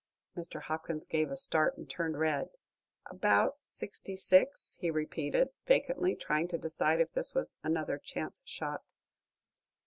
Mr. Hopkins gave a start and turned red. "About sixty six," he repeated, vacantly, trying to decide if this was another chance shot.